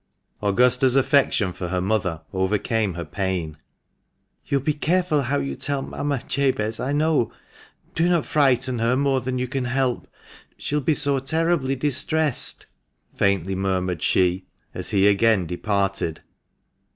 Augusta's affection for her mother overcame her pain. " You will be careful how you tell mamma, Jabez, I know ; do not frighten her ^more than you can help ; she will be so terribly distressed," faintly murmured she, as he again departed.